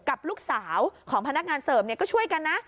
กับลูกสาวของพนักงานเสิร์ฟก็ช่วยกันนะ